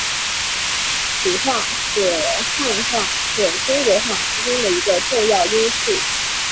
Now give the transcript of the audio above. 儒化是汉化或中国化之中的一个重要因素。